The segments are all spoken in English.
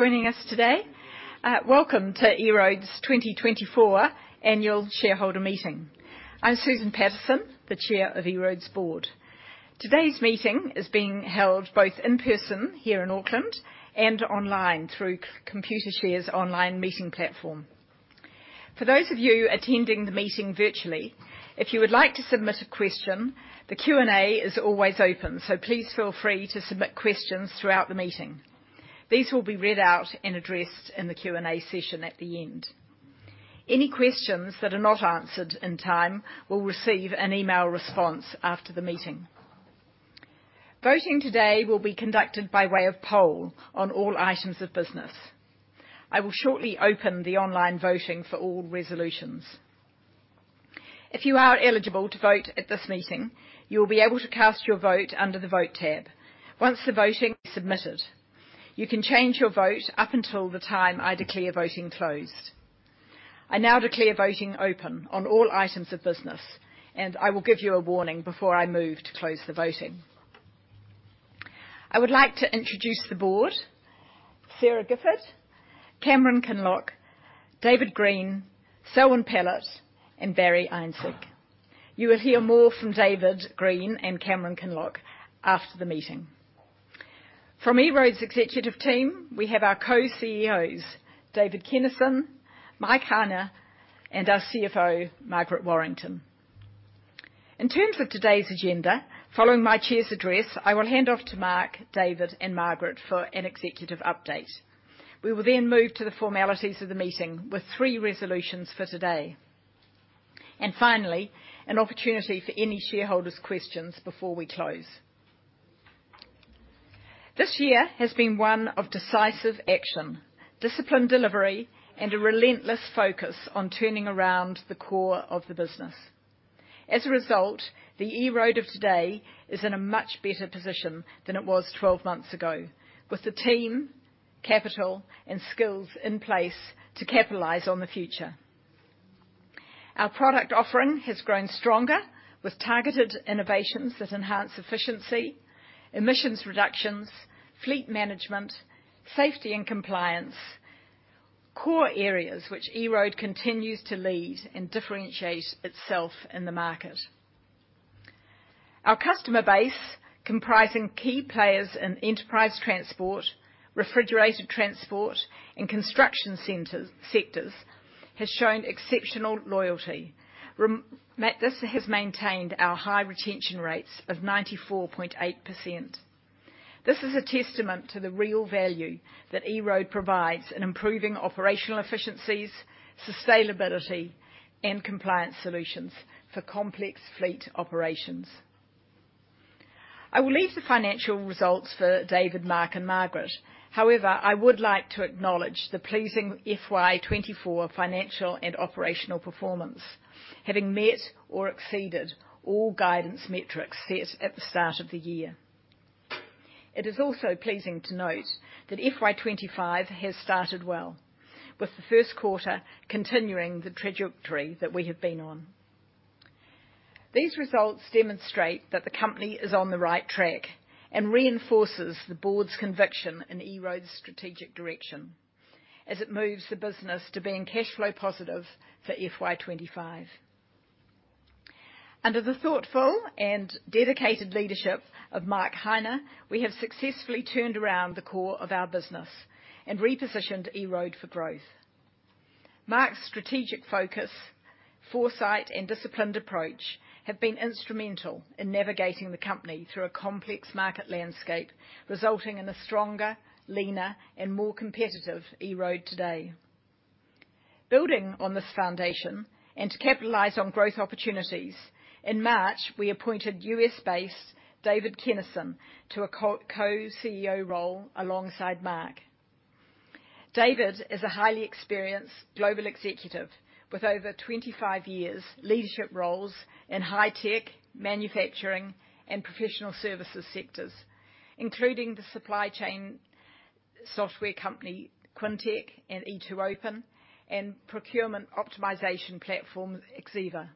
Joining us today. Welcome to EROAD's 2024 Annual Shareholder Meeting. I'm Susan Paterson, the Chair of EROAD's board. Today's meeting is being held both in person here in Auckland and online through Computershare's online meeting platform. For those of you attending the meeting virtually, if you would like to submit a question, the Q&A is always open, so please feel free to submit questions throughout the meeting. These will be read out and addressed in the Q&A session at the end. Any questions that are not answered in time will receive an email response after the meeting. Voting today will be conducted by way of poll on all items of business. I will shortly open the online voting for all resolutions. If you are eligible to vote at this meeting, you will be able to cast your vote under the Vote tab. Once the voting submitted, you can change your vote up until the time I declare voting closed. I now declare voting open on all items of business, and I will give you a warning before I move to close the voting. I would like to introduce the board: Sara Gifford, Cameron Kinloch, David Green, Selwyn Pellett, and Barry Einsig. You will hear more from David Green and Cameron Kinloch after the meeting. From EROAD's executive team, we have our Co-CEOs, David Kennison, Mark Heine, and our CFO, Margaret Warrington. In terms of today's agenda, following my chair's address, I will hand off to Mark, David, and Margaret for an executive update. We will then move to the formalities of the meeting with three resolutions for today, and finally, an opportunity for any shareholders' questions before we close. This year has been one of decisive action, disciplined delivery, and a relentless focus on turning around the core of the business. As a result, the EROAD of today is in a much better position than it was 12 months ago, with the team, capital, and skills in place to capitalize on the future. Our product offering has grown stronger with targeted innovations that enhance efficiency, emissions reductions, fleet management, safety and compliance, core areas which EROAD continues to lead and differentiate itself in the market. Our customer base, comprising key players in enterprise transport, refrigerated transport, and construction sectors, has shown exceptional loyalty. This has maintained our high retention rates of 94.8%. This is a testament to the real value that EROAD provides in improving operational efficiencies, sustainability, and compliance solutions for complex fleet operations. I will leave the financial results for David, Mark, and Margaret. However, I would like to acknowledge the pleasing FY 2024 financial and operational performance, having met or exceeded all guidance metrics set at the start of the year. It is also pleasing to note that FY 2025 has started well, with the first quarter continuing the trajectory that we have been on. These results demonstrate that the company is on the right track and reinforces the board's conviction in EROAD's strategic direction as it moves the business to being cash flow positive for FY 2025. Under the thoughtful and dedicated leadership of Mark Heine, we have successfully turned around the core of our business and repositioned EROAD for growth. Mark's strategic focus, foresight, and disciplined approach have been instrumental in navigating the company through a complex market landscape, resulting in a stronger, leaner, and more competitive EROAD today. Building on this foundation, and to capitalize on growth opportunities, in March, we appointed U.S.-based David Kennison to a Co-CEO role alongside Mark. David is a highly experienced global executive with over 25 years leadership roles in high-tech, manufacturing, and professional services sectors, including the supply chain software company Quintiq and E2open, and procurement optimization platform, Xeeva.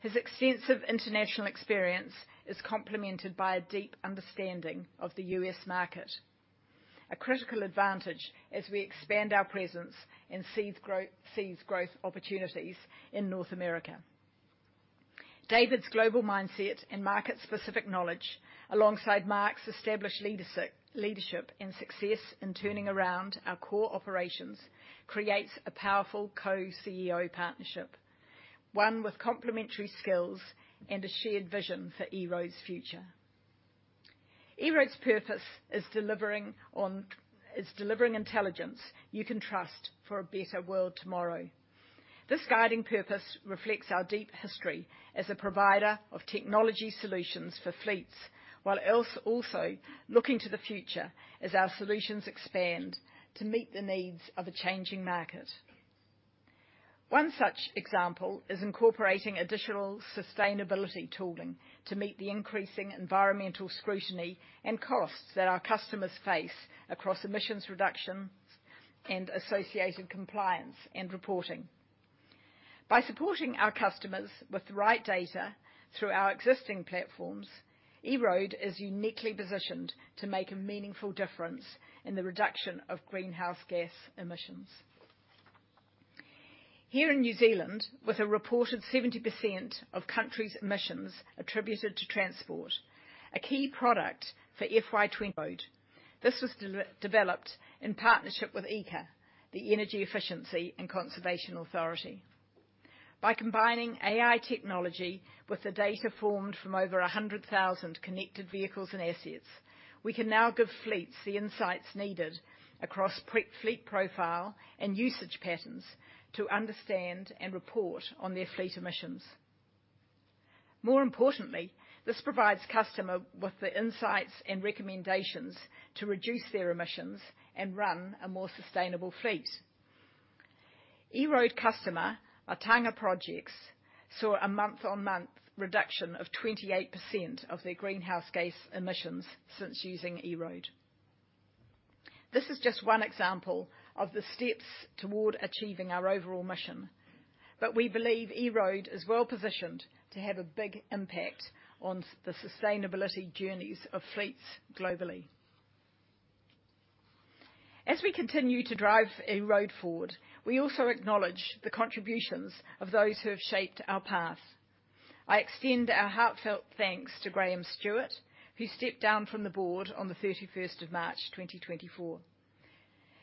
His extensive international experience is complemented by a deep understanding of the U.S. market, a critical advantage as we expand our presence and seize growth opportunities in North America. David's global mindset and market-specific knowledge, alongside Mark's established leadership and success in turning around our core operations, creates a powerful Co-CEO partnership, one with complementary skills and a shared vision for EROAD's future. EROAD's purpose is delivering intelligence you can trust for a better world tomorrow. This guiding purpose reflects our deep history as a provider of technology solutions for fleets, while also looking to the future as our solutions expand to meet the needs of a changing market. One such example is incorporating additional sustainability tooling to meet the increasing environmental scrutiny and costs that our customers face across emissions reductions and associated compliance and reporting. By supporting our customers with the right data through our existing platforms, EROAD is uniquely positioned to make a meaningful difference in the reduction of greenhouse gas emissions. Here in New Zealand, with a reported 70% of country's emissions attributed to transport, a key product for FY 2020, this was developed in partnership with EECA, the Energy Efficiency and Conservation Authority. By combining AI technology with the data formed from over 100,000 connected vehicles and assets, we can now give fleets the insights needed across fleet profile and usage patterns to understand and report on their fleet emissions. More importantly, this provides customer with the insights and recommendations to reduce their emissions and run a more sustainable fleet. EROAD customer, Ahunga Projects, saw a month-on-month reduction of 28% of their greenhouse gas emissions since using EROAD. This is just one example of the steps toward achieving our overall mission, but we believe EROAD is well positioned to have a big impact on the sustainability journeys of fleets globally. As we continue to drive EROAD forward, we also acknowledge the contributions of those who have shaped our path. I extend our heartfelt thanks to Graham Stuart, who stepped down from the board on the 31st of March, 2024.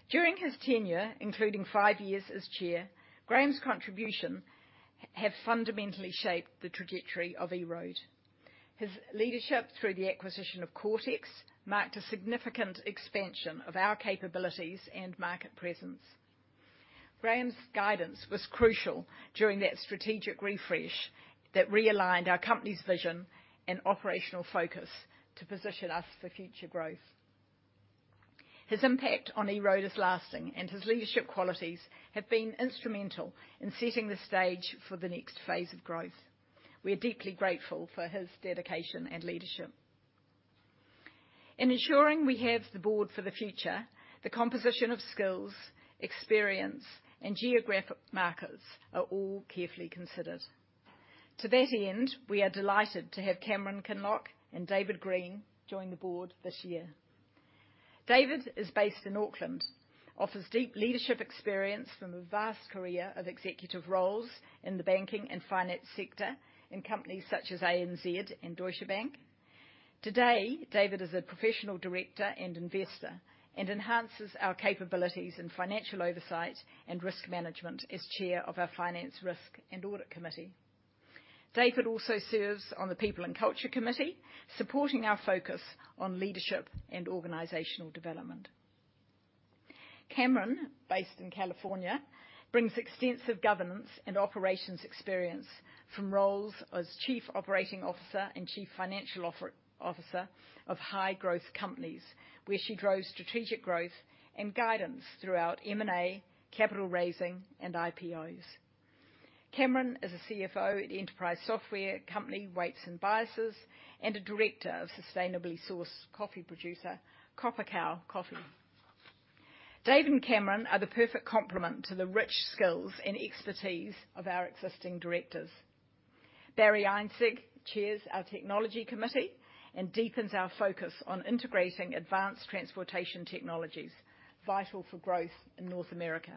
During his tenure, including five years as chair, Graham's contribution has fundamentally shaped the trajectory of EROAD. His leadership through the acquisition of Coretex marked a significant expansion of our capabilities and market presence. Graham's guidance was crucial during that strategic refresh that realigned our company's vision and operational focus to position us for future growth. His impact on EROAD is lasting, and his leadership qualities have been instrumental in setting the stage for the next phase of growth. We are deeply grateful for his dedication and leadership. In ensuring we have the board for the future, the composition of skills, experience, and geographic markets are all carefully considered. To that end, we are delighted to have Cameron Kinloch and David Green join the board this year. David is based in Auckland, offers deep leadership experience from a vast career of executive roles in the banking and finance sector, in companies such as ANZ and Deutsche Bank. Today, David is a professional director and investor, and enhances our capabilities in financial oversight and risk management as chair of our Finance, Risk and Audit Committee. David also serves on the People and Culture Committee, supporting our focus on leadership and organizational development. Cameron, based in California, brings extensive governance and operations experience from roles as chief operating officer and chief financial officer of high growth companies, where she drove strategic growth and guidance throughout M&A, capital raising, and IPOs. Cameron is a CFO at enterprise software company, Weights & Biases, and a director of sustainably sourced coffee producer, Copper Cow Coffee. Dave and Cameron are the perfect complement to the rich skills and expertise of our existing directors. Barry Einsig chairs our Technology Committee and deepens our focus on integrating advanced transportation technologies, vital for growth in North America.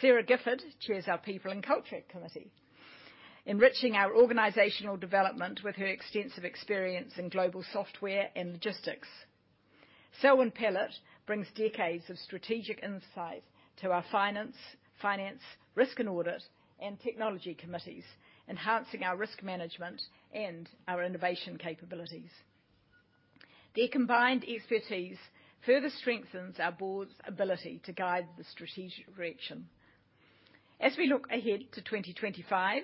Sara Gifford chairs our People and Culture Committee, enriching our organizational development with her extensive experience in global software and logistics. Selwyn Pellett brings decades of strategic insight to our Finance, Risk and Audit, and Technology Committees, enhancing our risk management and our innovation capabilities. Their combined expertise further strengthens our board's ability to guide the strategic direction. As we look ahead to 2025,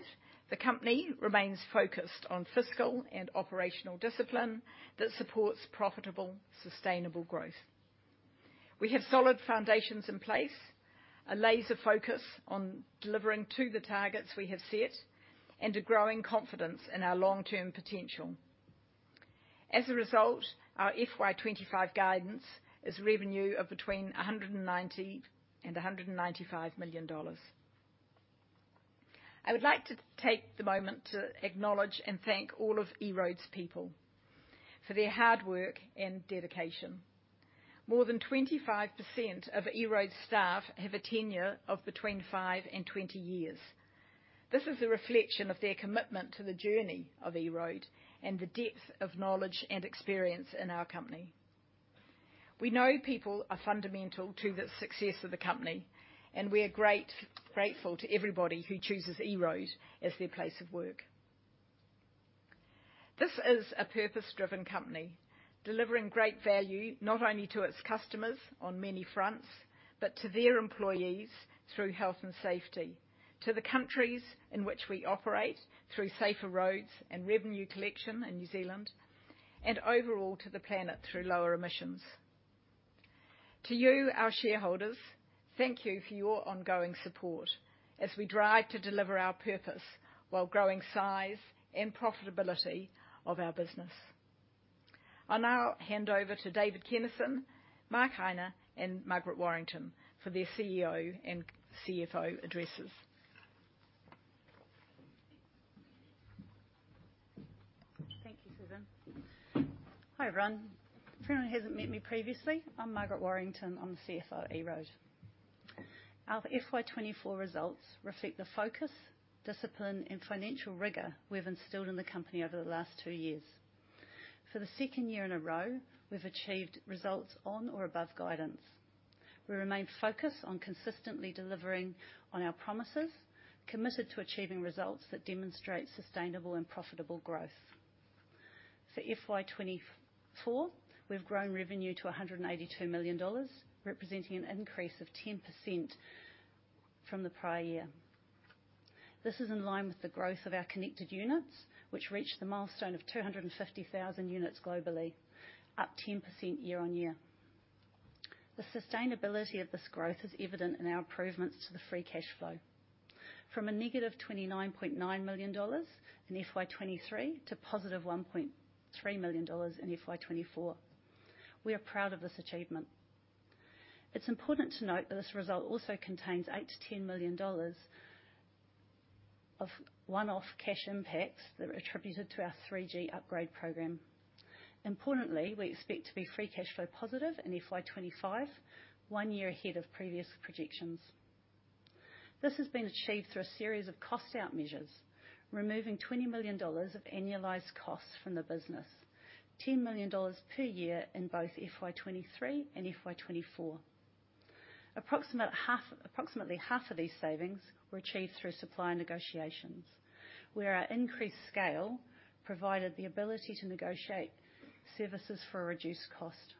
the company remains focused on fiscal and operational discipline that supports profitable, sustainable growth. We have solid foundations in place, a laser focus on delivering to the targets we have set, and a growing confidence in our long-term potential. As a result, our FY 2025 guidance is revenue of between $190 million and $195 million. I would like to take the moment to acknowledge and thank all of EROAD's people for their hard work and dedication. More than 25% of EROAD's staff have a tenure of between five and 20 years. This is a reflection of their commitment to the journey of EROAD and the depth of knowledge and experience in our company. We know people are fundamental to the success of the company, and we are grateful to everybody who chooses EROAD as their place of work. This is a purpose-driven company, delivering great value, not only to its customers on many fronts, but to their employees through health and safety, to the countries in which we operate through safer roads and revenue collection in New Zealand, and overall to the planet, through lower emissions. To you, our shareholders, thank you for your ongoing support as we drive to deliver our purpose while growing size and profitability of our business. I'll now hand over to David Kenneson, Mark Heine, and Margaret Warrington for their CEO and CFO addresses. Thank you, Susan. Hi, everyone. For anyone who hasn't met me previously, I'm Margaret Warrington. I'm the CFO of EROAD. Our FY 2024 results reflect the focus, discipline, and financial rigor we've instilled in the company over the last two years. For the second year in a row, we've achieved results on or above guidance. We remain focused on consistently delivering on our promises, committed to achieving results that demonstrate sustainable and profitable growth. For FY 2024, we've grown revenue to $182 million, representing an increase of 10% from the prior year. This is in line with the growth of our connected units, which reached the milestone of 250,000 units globally, up 10% year-on-year. The sustainability of this growth is evident in our improvements to the free cash flow. From -29.9 million dollars in FY 2023 to 1.3 million dollars in FY 2024. We are proud of this achievement. It's important to note that this result also contains 8 million-10 million dollars of one-off cash impacts that are attributed to our 3G upgrade program. Importantly, we expect to be free cash flow positive in FY 2025, 1 year ahead of previous projections. This has been achieved through a series of cost out measures, removing 20 million dollars of annualized costs from the business, 10 million dollars per year in both FY 2023 and FY 2024. Approximately half, approximately half of these savings were achieved through supplier negotiations, where our increased scale provided the ability to negotiate services for a reduced cost.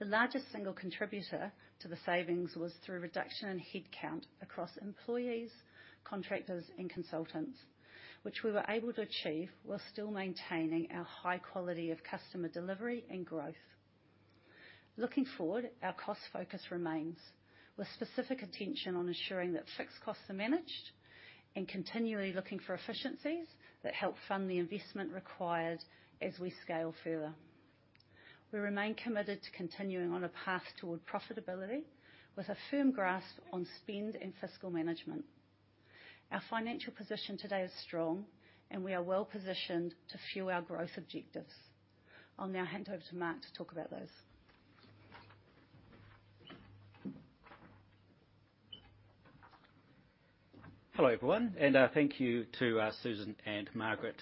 The largest single contributor to the savings was through reduction in headcount across employees, contractors, and consultants, which we were able to achieve while still maintaining our high quality of customer delivery and growth. Looking forward, our cost focus remains, with specific attention on ensuring that fixed costs are managed and continually looking for efficiencies that help fund the investment required as we scale further. We remain committed to continuing on a path toward profitability with a firm grasp on spend and fiscal management. Our financial position today is strong, and we are well-positioned to fuel our growth objectives. I'll now hand over to Mark to talk about those. Hello, everyone, and, thank you to, Susan and Margaret.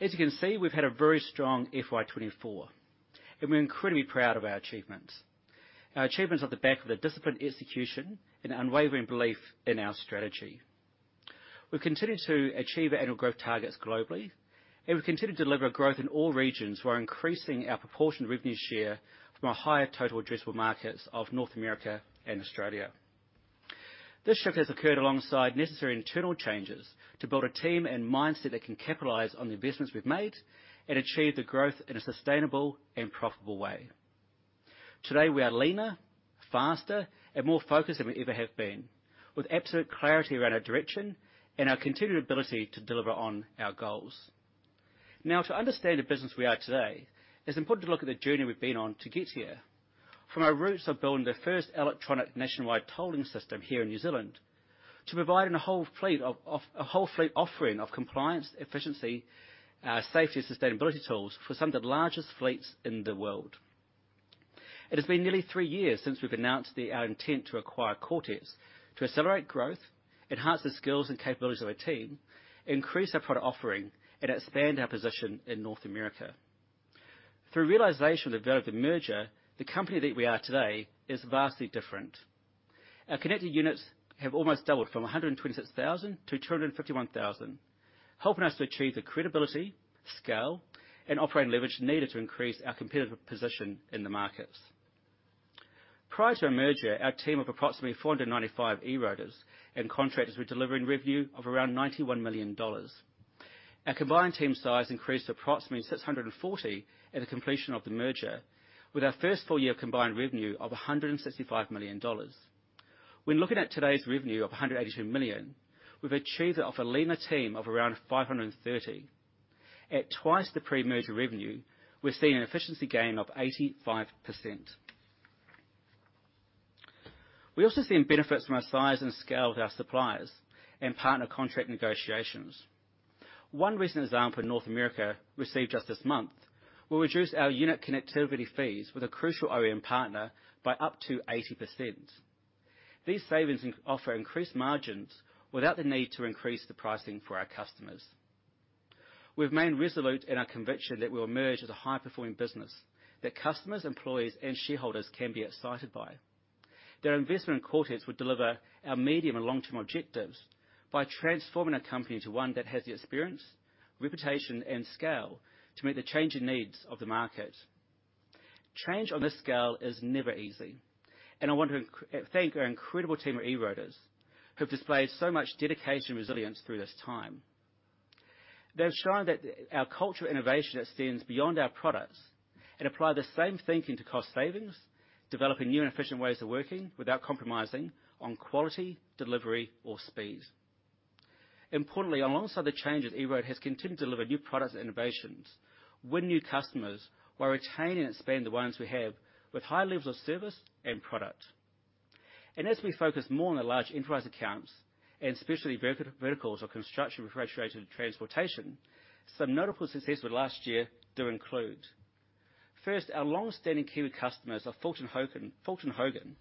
As you can see, we've had a very strong FY 2024, and we're incredibly proud of our achievements. Our achievements are on the back of a disciplined execution and unwavering belief in our strategy. We've continued to achieve our annual growth targets globally, and we've continued to deliver growth in all regions while increasing our proportion of revenue share from a higher total addressable markets of North America and Australia. This shift has occurred alongside necessary internal changes to build a team and mindset that can capitalize on the investments we've made and achieve the growth in a sustainable and profitable way. Today, we are leaner, faster, and more focused than we ever have been, with absolute clarity around our direction and our continued ability to deliver on our goals. Now, to understand the business we are today, it's important to look at the journey we've been on to get here. From our roots of building the first electronic nationwide tolling system here in New Zealand, to providing a whole fleet offering of compliance, efficiency, safety, and sustainability tools for some of the largest fleets in the world. It has been nearly three years since we've announced the intent to acquire Coretex to accelerate growth, enhance the skills and capabilities of our team, increase our product offering, and expand our position in North America. Through realization of the value of the merger, the company that we are today is vastly different. Our connected units have almost doubled from 126,000-251,000, helping us to achieve the credibility, scale, and operating leverage needed to increase our competitive position in the markets. Prior to our merger, our team of approximately 495 EROADers and contractors were delivering revenue of around NZD 91 million. Our combined team size increased to approximately 640 at the completion of the merger, with our first full year of combined revenue of 165 million dollars. When looking at today's revenue of 182 million, we've achieved it off a leaner team of around 530. At twice the pre-merger revenue, we're seeing an efficiency gain of 85%. We also seen benefits from our size and scale with our suppliers and partner contract negotiations. One recent example in North America, received just this month, will reduce our unit connectivity fees with a crucial OEM partner by up to 80%. These savings offer increased margins without the need to increase the pricing for our customers. We've remained resolute in our conviction that we'll merge as a high-performing business that customers, employees, and shareholders can be excited by. Their investment in Coretex will deliver our medium and long-term objectives by transforming our company to one that has the experience, reputation, and scale to meet the changing needs of the market. Change on this scale is never easy, and I want to thank our incredible team of EROADers who have displayed so much dedication and resilience through this time. They've shown that our culture innovation extends beyond our products and apply the same thinking to cost savings, developing new and efficient ways of working without compromising on quality, delivery, or speed. Importantly, alongside the changes, EROAD has continued to deliver new products and innovations, win new customers, while retaining and expand the ones we have, with high levels of service and product. And as we focus more on the large enterprise accounts, and especially verticals or construction refrigerated transportation, some notable successes for last year do include: First, our long-standing Kiwi customers of Fulton Hogan, Fulton Hogan,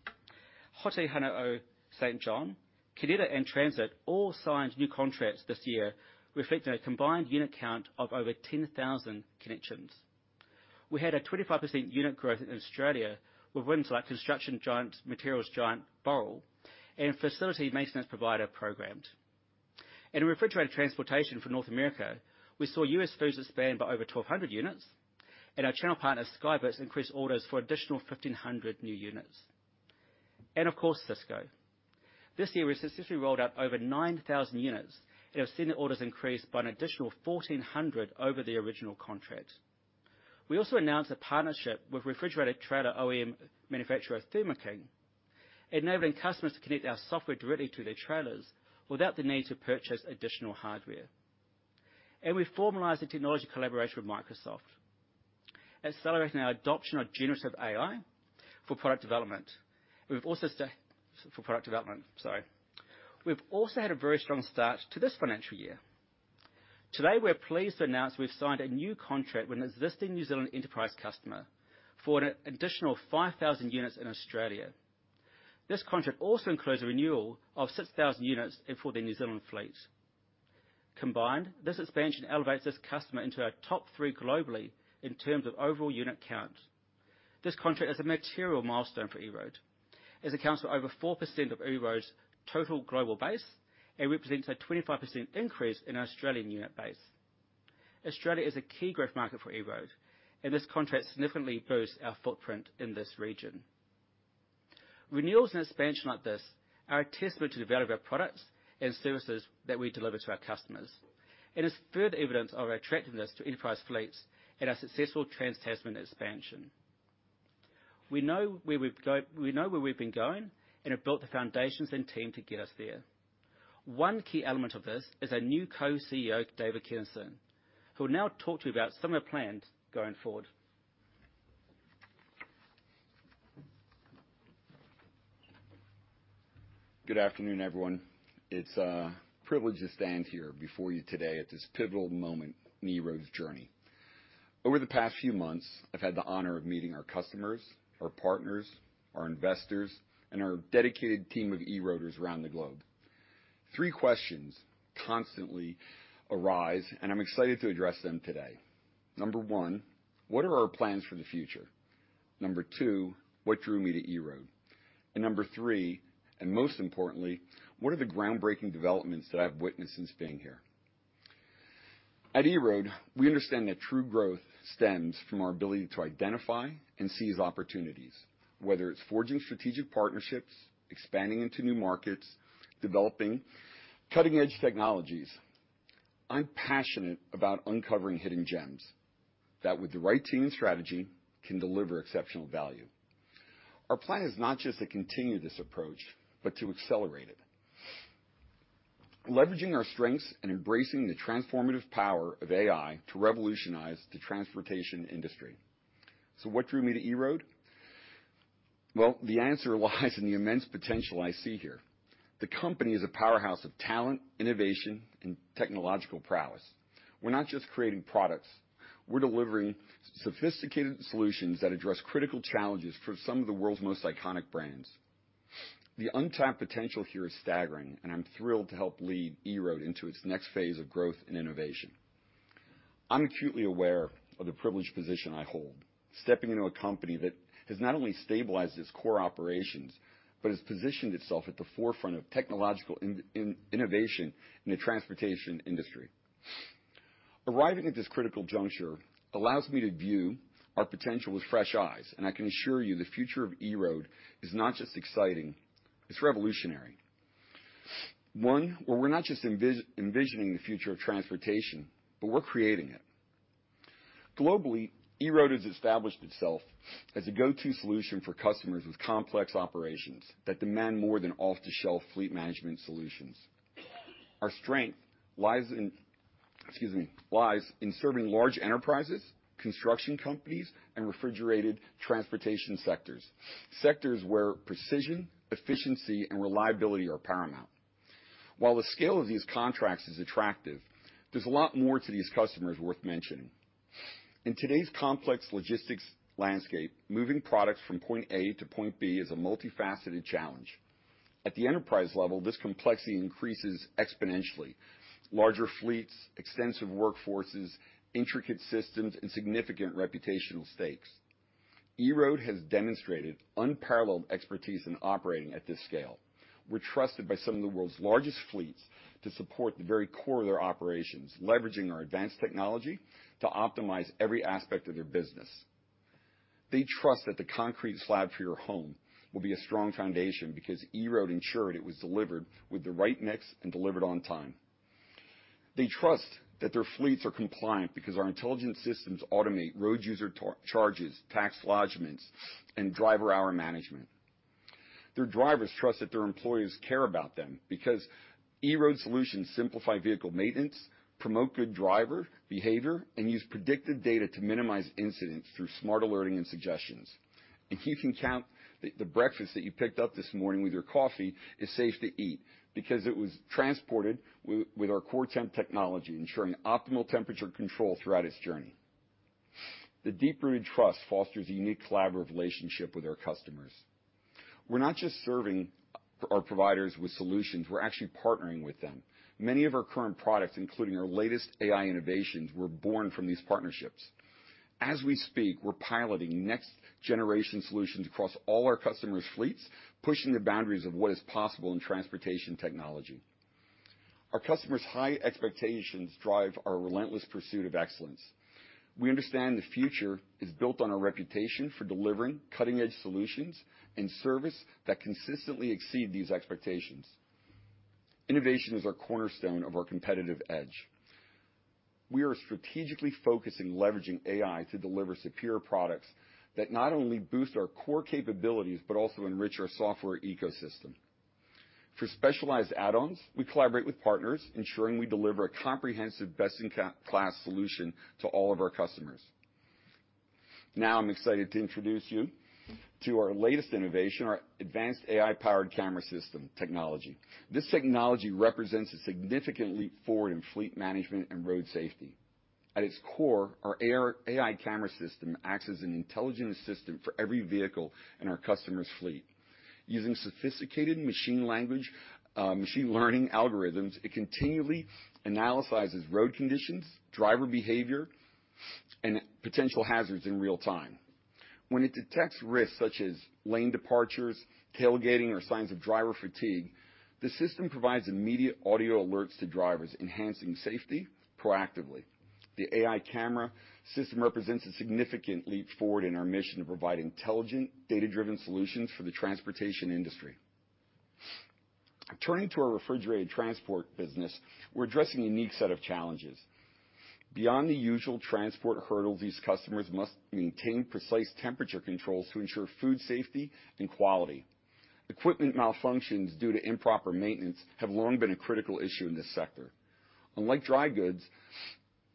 Hato Hone St John, Kinetic, and Tranzit all signed new contracts this year, reflecting a combined unit count of over 10,000 connections. We had a 25% unit growth in Australia with wins like construction giant, materials giant Boral, and facility maintenance provider Programmed. In refrigerated transportation for North America, we saw US Foods expand by over 1,200 units, and our channel partner, SkyBitz, increased orders for additional 1,500 new units. And of course, Sysco. This year, we successfully rolled out over 9,000 units, and have seen their orders increase by an additional 1,400 over the original contract. We also announced a partnership with refrigerated trailer OEM manufacturer, Thermo King, enabling customers to connect our software directly to their trailers without the need to purchase additional hardware. And we formalized a technology collaboration with Microsoft, accelerating our adoption of generative AI for product development. We've also had a very strong start to this financial year. Today, we're pleased to announce we've signed a new contract with an existing New Zealand enterprise customer for an additional 5,000 units in Australia. This contract also includes a renewal of 6,000 units and for their New Zealand fleet. Combined, this expansion elevates this customer into our top three globally in terms of overall unit count. This contract is a material milestone for EROAD, as it accounts for over 4% of EROAD's total global base and represents a 25% increase in our Australian unit base. Australia is a key growth market for EROAD, and this contract significantly boosts our footprint in this region. Renewals and expansion like this are a testament to the value of our products and services that we deliver to our customers, and is further evidence of our attractiveness to enterprise fleets and our successful Trans-Tasman expansion. We know where we've been going and have built the foundations and team to get us there. One key element of this is our new Co-CEO, David Kennison, who will now talk to you about some of the plans going forward. Good afternoon, everyone. It's a privilege to stand here before you today at this pivotal moment in EROAD's journey. Over the past few months, I've had the honor of meeting our customers, our partners, our investors, and our dedicated team of EROADers around the globe. Three questions constantly arise, and I'm excited to address them today. Number one, what are our plans for the future? Number two, what drew me to EROAD? And number three, and most importantly, what are the groundbreaking developments that I've witnessed since being here? At EROAD, we understand that true growth stems from our ability to identify and seize opportunities, whether it's forging strategic partnerships, expanding into new markets, developing cutting-edge technologies. I'm passionate about uncovering hidden gems that, with the right team and strategy, can deliver exceptional value. Our plan is not just to continue this approach, but to accelerate it, leveraging our strengths and embracing the transformative power of AI to revolutionize the transportation industry. So what drew me to EROAD? Well, the answer lies in the immense potential I see here. The company is a powerhouse of talent, innovation, and technological prowess. We're not just creating products, we're delivering sophisticated solutions that address critical challenges for some of the world's most iconic brands. The untapped potential here is staggering, and I'm thrilled to help lead EROAD into its next phase of growth and innovation. I'm acutely aware of the privileged position I hold, stepping into a company that has not only stabilized its core operations, but has positioned itself at the forefront of technological innovation in the transportation industry. Arriving at this critical juncture allows me to view our potential with fresh eyes, and I can assure you, the future of EROAD is not just exciting, it's revolutionary. One, where we're not just envisioning the future of transportation, but we're creating it. Globally, EROAD has established itself as a go-to solution for customers with complex operations that demand more than off-the-shelf fleet management solutions. Our strength lies in serving large enterprises, construction companies, and refrigerated transportation sectors, sectors where precision, efficiency, and reliability are paramount. While the scale of these contracts is attractive, there's a lot more to these customers worth mentioning. In today's complex logistics landscape, moving products from point A to point B is a multifaceted challenge. At the enterprise level, this complexity increases exponentially: larger fleets, extensive workforces, intricate systems, and significant reputational stakes. EROAD has demonstrated unparalleled expertise in operating at this scale. We're trusted by some of the world's largest fleets to support the very core of their operations, leveraging our advanced technology to optimize every aspect of their business. They trust that the concrete slab for your home will be a strong foundation because EROAD ensured it was delivered with the right mix and delivered on time. They trust that their fleets are compliant because our intelligent systems automate road user charges, tax lodgments, and driver hour management. Their drivers trust that their employees care about them, because EROAD solutions simplify vehicle maintenance, promote good driver behavior, and use predictive data to minimize incidents through smart alerting and suggestions. You can count that the breakfast that you picked up this morning with your coffee is safe to eat, because it was transported with our CoreTemp technology, ensuring optimal temperature control throughout its journey. The deep-rooted trust fosters a unique collaborative relationship with our customers. We're not just serving our providers with solutions, we're actually partnering with them. Many of our current products, including our latest AI innovations, were born from these partnerships. As we speak, we're piloting next-generation solutions across all our customers' fleets, pushing the boundaries of what is possible in transportation technology. Our customers' high expectations drive our relentless pursuit of excellence. We understand the future is built on a reputation for delivering cutting-edge solutions and service that consistently exceed these expectations. Innovation is our cornerstone of our competitive edge. We are strategically focusing leveraging AI to deliver superior products that not only boost our core capabilities, but also enrich our software ecosystem. For specialized add-ons, we collaborate with partners, ensuring we deliver a comprehensive, best-in-class solution to all of our customers. Now, I'm excited to introduce you to our latest innovation, our advanced AI-powered camera system technology. This technology represents a significant leap forward in fleet management and road safety. At its core, our AI camera system acts as an intelligent assistant for every vehicle in our customer's fleet. Using sophisticated machine learning algorithms, it continually analyzes road conditions, driver behavior, and potential hazards in real time. When it detects risks such as lane departures, tailgating, or signs of driver fatigue, the system provides immediate audio alerts to drivers, enhancing safety proactively. The AI camera system represents a significant leap forward in our mission to provide intelligent, data-driven solutions for the transportation industry. Turning to our refrigerated transport business, we're addressing a unique set of challenges. Beyond the usual transport hurdles, these customers must maintain precise temperature controls to ensure food safety and quality. Equipment malfunctions due to improper maintenance have long been a critical issue in this sector. Unlike dry goods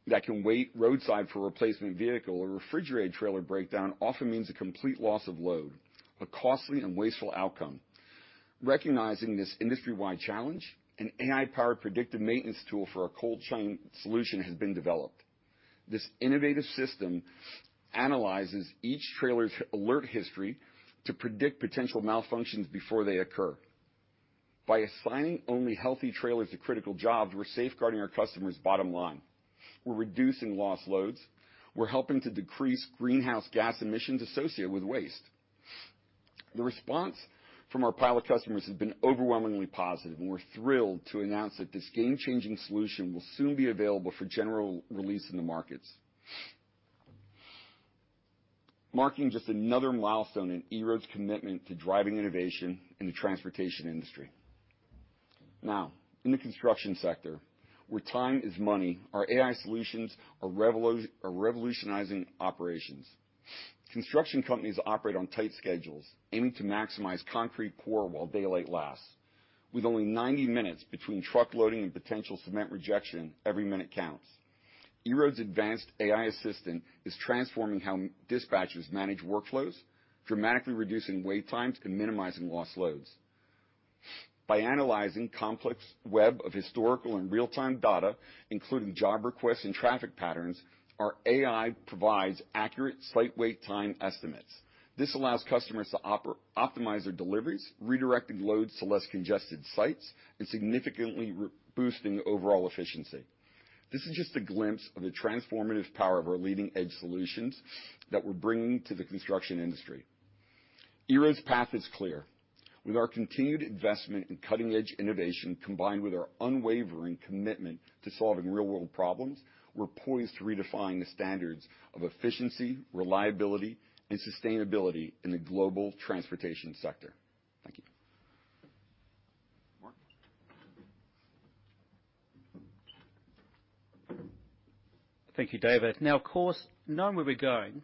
that can wait roadside for a replacement vehicle, a refrigerated trailer breakdown often means a complete loss of load, a costly and wasteful outcome. Recognizing this industry-wide challenge, an AI-powered predictive maintenance tool for our cold chain solution has been developed. This innovative system analyzes each trailer's alert history to predict potential malfunctions before they occur. By assigning only healthy trailers to critical jobs, we're safeguarding our customers' bottom line. We're reducing loss loads. We're helping to decrease greenhouse gas emissions associated with waste. The response from our pilot customers has been overwhelmingly positive, and we're thrilled to announce that this game-changing solution will soon be available for general release in the markets, marking just another milestone in EROAD's commitment to driving innovation in the transportation industry. Now, in the construction sector, where time is money, our AI solutions are revolutionizing operations. Construction companies operate on tight schedules, aiming to maximize concrete pour while daylight lasts. With only 90 minutes between truck loading and potential cement rejection, every minute counts. EROAD's advanced AI assistant is transforming how dispatchers manage workflows, dramatically reducing wait times and minimizing lost loads. By analyzing complex web of historical and real-time data, including job requests and traffic patterns, our AI provides accurate, site wait time estimates. This allows customers to optimize their deliveries, redirecting loads to less congested sites, and significantly boosting overall efficiency. This is just a glimpse of the transformative power of our leading-edge solutions that we're bringing to the construction industry. EROAD's path is clear. With our continued investment in cutting-edge innovation, combined with our unwavering commitment to solving real-world problems, we're poised to redefine the standards of efficiency, reliability, and sustainability in the global transportation sector. Thank you. Mark? Thank you, David. Now, of course, knowing where we're going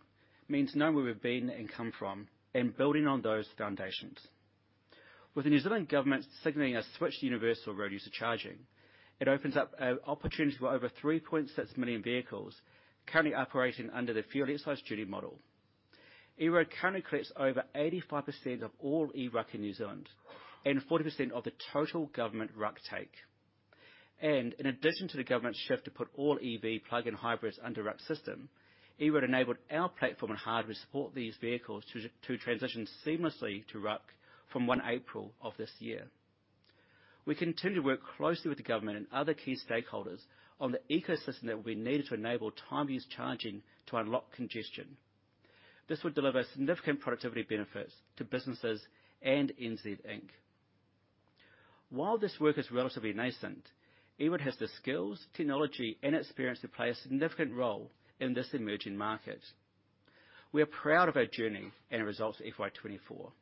means knowing where we've been and come from, and building on those foundations. With the New Zealand government signaling a switch to universal road user charging, it opens up opportunities for over 3.6 million vehicles currently operating under the fuel excise duty model. EROAD currently collects over 85% of all eRUC in New Zealand, and 40% of the total government RUC take. And in addition to the government's shift to put all EV plug-in hybrids under RUC system, EROAD enabled our platform and hardware to support these vehicles to transition seamlessly to RUC from 1 April of this year. We continue to work closely with the government and other key stakeholders on the ecosystem that will be needed to enable time-of-use charging to unlock congestion. This will deliver significant productivity benefits to businesses and NZ Inc. While this work is relatively nascent, EROAD has the skills, technology, and experience to play a significant role in this emerging market. We are proud of our journey and the results of FY 2024.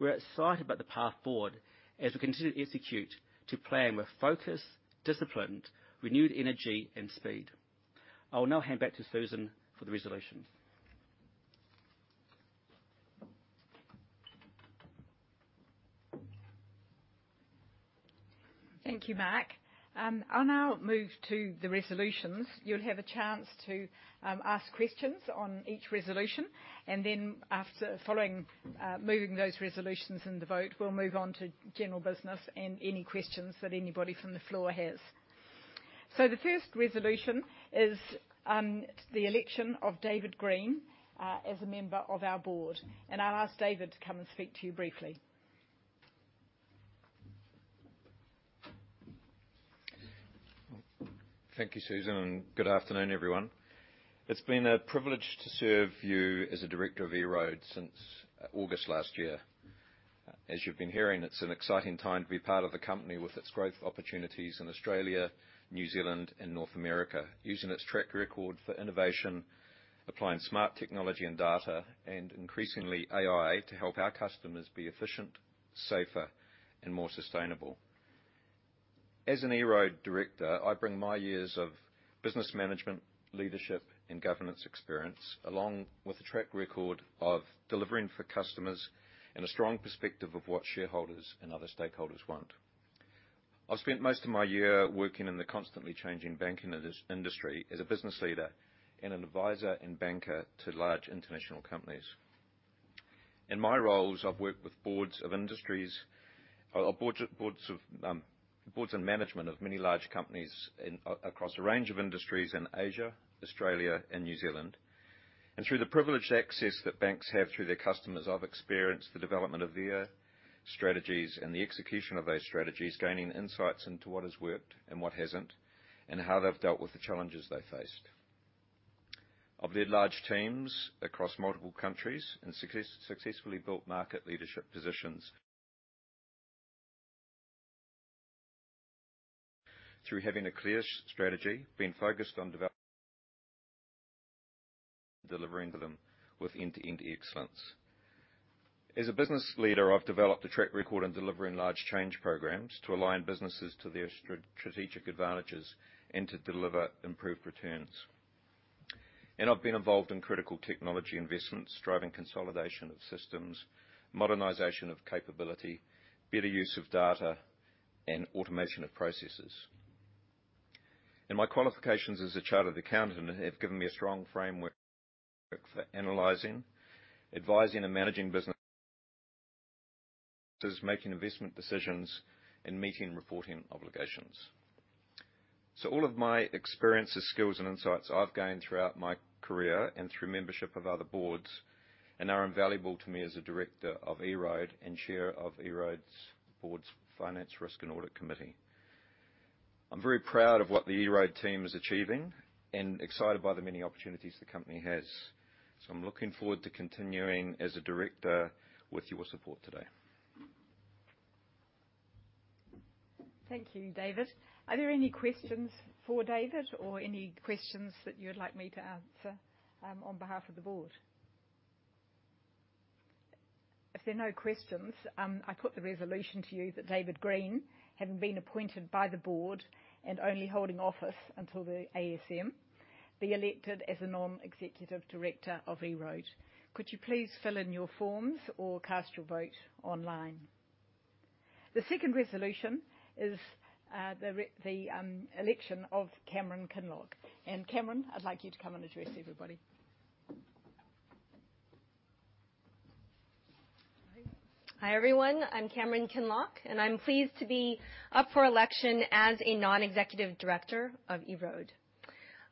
We're excited about the path forward as we continue to execute, to plan with focus, discipline, renewed energy, and speed. I will now hand back to Susan for the resolutions. Thank you, Mark. I'll now move to the resolutions. You'll have a chance to ask questions on each resolution, and then after following, moving those resolutions in the vote, we'll move on to general business and any questions that anybody from the floor has. So the first resolution is the election of David Green as a member of our board, and I'll ask David to come and speak to you briefly. Thank you, Susan, and good afternoon, everyone. It's been a privilege to serve you as a director of EROAD since August last year. As you've been hearing, it's an exciting time to be part of the company with its growth opportunities in Australia, New Zealand and North America. Using its track record for innovation, applying smart technology and data, and increasingly AI to help our customers be efficient, safer, and more sustainable. As an EROAD director, I bring my years of business management, leadership and governance experience, along with a track record of delivering for customers and a strong perspective of what shareholders and other stakeholders want. I've spent most of my year working in the constantly changing banking industry as a business leader and an advisor and banker to large international companies. In my roles, I've worked with boards of industries... boards and management of many large companies in, across a range of industries in Asia, Australia, and New Zealand. And through the privileged access that banks have through their customers, I've experienced the development of their strategies and the execution of those strategies, gaining insights into what has worked and what hasn't, and how they've dealt with the challenges they faced. I've led large teams across multiple countries and successfully built market leadership positions through having a clear strategy, being focused on delivering to them with end-to-end excellence. As a business leader, I've developed a track record in delivering large change programs to align businesses to their strategic advantages and to deliver improved returns. And I've been involved in critical technology investments, driving consolidation of systems, modernization of capability, better use of data, and automation of processes. My qualifications as a chartered accountant have given me a strong framework for analyzing, advising, and managing business, making investment decisions, and meeting reporting obligations. All of my experiences, skills, and insights I've gained throughout my career and through membership of other boards, and are invaluable to me as a director of EROAD and chair of EROAD's board's Finance, Risk and Audit Committee. I'm very proud of what the EROAD team is achieving and excited by the many opportunities the company has. I'm looking forward to continuing as a director with your support today. Thank you, David. Are there any questions for David or any questions that you'd like me to answer on behalf of the board? If there are no questions, I put the resolution to you that David Green, having been appointed by the board and only holding office until the ASM, be elected as a non-executive director of EROAD. Could you please fill in your forms or cast your vote online? The second resolution is the election of Cameron Kinloch. And Cameron, I'd like you to come and address everybody. Hi. Hi, everyone, I'm Cameron Kinloch, and I'm pleased to be up for election as a non-executive director of EROAD.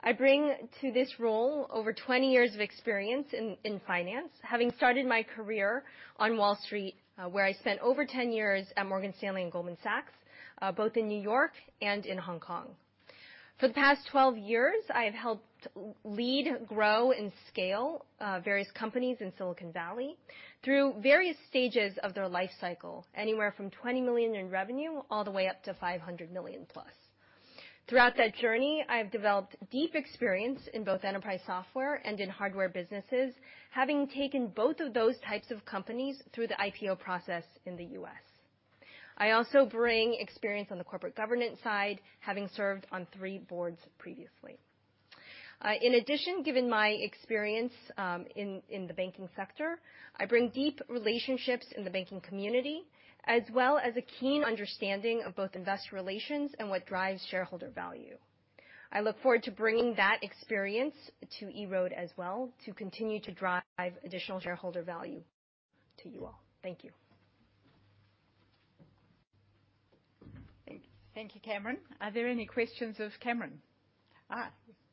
I bring to this role over 20 years of experience in finance, having started my career on Wall Street, where I spent over 10 years at Morgan Stanley and Goldman Sachs, both in New York and in Hong Kong. For the past 12 years, I have helped lead, grow, and scale various companies in Silicon Valley through various stages of their life cycle, anywhere from 20 million in revenue, all the way up to 500 million+. Throughout that journey, I have developed deep experience in both enterprise software and in hardware businesses, having taken both of those types of companies through the IPO process in the U.S. I also bring experience on the corporate governance side, having served on three boards previously. In addition, given my experience, in the banking sector, I bring deep relationships in the banking community, as well as a keen understanding of both investor relations and what drives shareholder value. I look forward to bringing that experience to EROAD as well, to continue to drive additional shareholder value to you all. Thank you. Thank you, Cameron. Are there any questions of Cameron? We have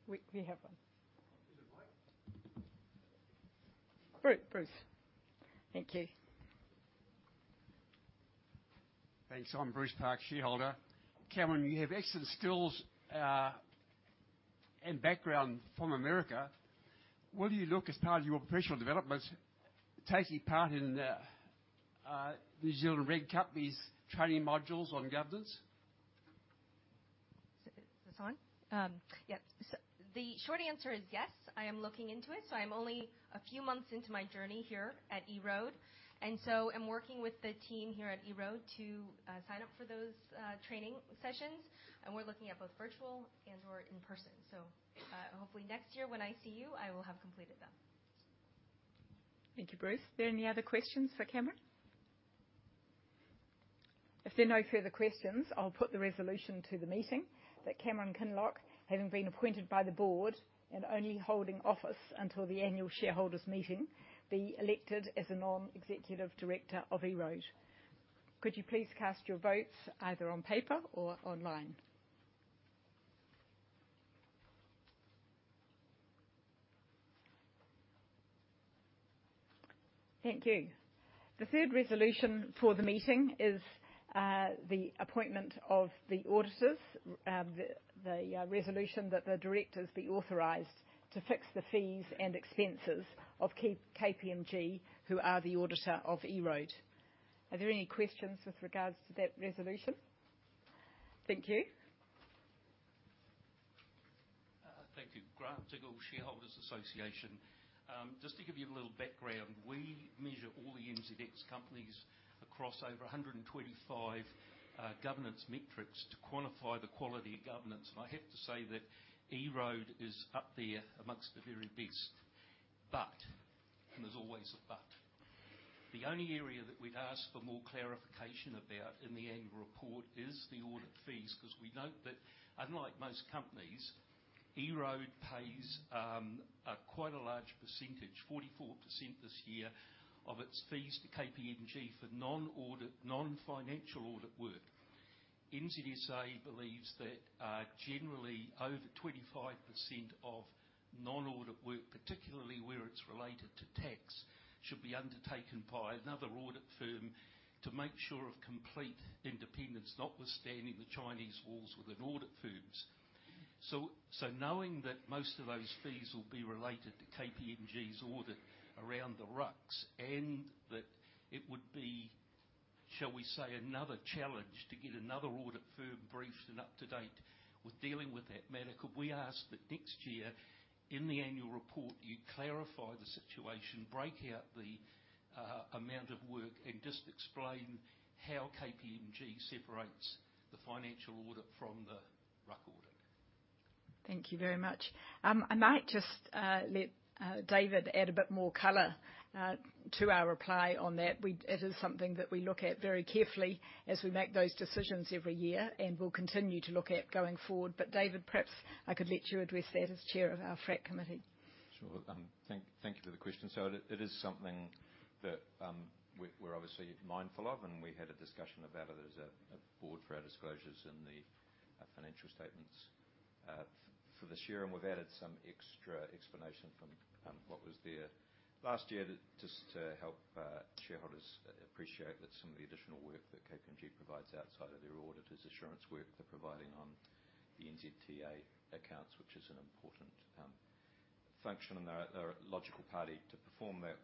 one. Use the mic. Bruce. Bruce, thank you. Thanks. I'm Bruce Park, shareholder. Cameron, you have excellent skills and background from America. Would you look, as part of your professional developments, taking part in the NZ RegCo training modules on governance? Is this on? Yeah, so the short answer is yes, I am looking into it. So I'm only a few months into my journey here at EROAD, and so I'm working with the team here at EROAD to sign up for those training sessions, and we're looking at both virtual and/or in person. So, hopefully next year, when I see you, I will have completed them. Thank you, Bruce. Are there any other questions for Cameron? If there are no further questions, I'll put the resolution to the meeting that Cameron Kinloch, having been appointed by the board and only holding office until the annual shareholders meeting, be elected as a non-executive director of EROAD. Could you please cast your votes either on paper or online? Thank you. The third resolution for the meeting is the appointment of the auditors. The resolution that the directors be authorized to fix the fees and expenses of KPMG, who are the auditor of EROAD. Are there any questions with regards to that resolution? Thank you. Thank you. Grant Diggle, Shareholders Association. Just to give you a little background, we measure all the NZX companies across over 125 governance metrics to quantify the quality of governance. And I have to say that EROAD is up there amongst the very best. But, and there's always a but, the only area that we'd ask for more clarification about in the annual report is the audit fees, 'cause we note that unlike most companies, EROAD pays a quite a large percentage, 44% this year, of its fees to KPMG for non-audit, non-financial audit work. NZSA believes that, generally, over 25% of non-audit work, particularly where it's related to tax, should be undertaken by another audit firm to make sure of complete independence, notwithstanding the Chinese walls within audit firms. So knowing that most of those fees will be related to KPMG's audit around the RUCs, and that it would be, shall we say, another challenge to get another audit firm briefed and up to date with dealing with that matter, could we ask that next year, in the annual report, you clarify the situation, break out the amount of work and just explain how KPMG separates the financial audit from the RUC audit? Thank you very much. I might just let David add a bit more color to our reply on that. It is something that we look at very carefully as we make those decisions every year, and we'll continue to look at going forward. But David, perhaps I could let you address that as chair of our FRAC committee. Sure, thank you for the question. So it is something that we're obviously mindful of, and we had a discussion about it as a board for our disclosures in the financial statements for this year, and we've added some extra explanation from what was there last year to just help shareholders appreciate that some of the additional work that KPMG provides outside of their auditors' assurance work they're providing on the NZTA accounts, which is an important function, and they're a logical party to perform that.